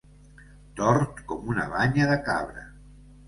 Tort com una banya de cabra.